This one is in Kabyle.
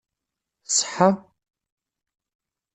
Tṣeḥḥa?